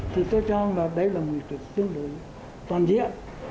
thì tôi cho rằng là đây là nguyên cực xuyên lưỡi toàn diện